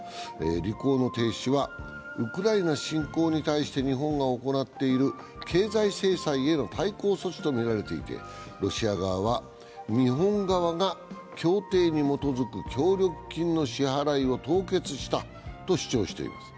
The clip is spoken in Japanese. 履行の停止はウクライナ侵攻に対して日本が行っている経済制裁への対抗措置とみられていてロシア側は、日本側が協定に基づく協力金の支払いを凍結したと主張しています。